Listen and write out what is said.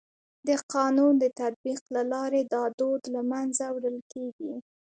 د قانون د تطبیق له لارې دا دود له منځه وړل کيږي.